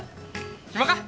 暇か？